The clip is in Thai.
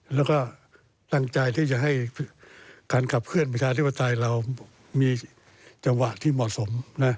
แล้วก็ตั้งใจที่จะให้การขับเคลื่อนประชาธิปไตยเรามีจังหวะที่เหมาะสมนะ